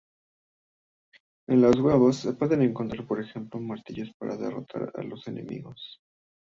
En los huevos se pueden encontrar, por ejemplo, martillos para derrotar a los enemigos.